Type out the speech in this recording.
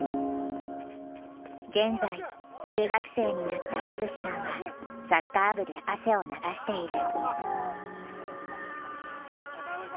現在中学生になった淳さんはサッカー部で汗を流している。